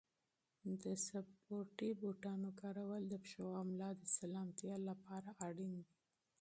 د سپورتي بوټانو کارول د پښو او ملا د سلامتیا لپاره اړین دي.